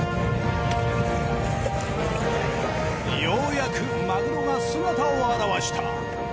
ようやくマグロが姿を現した。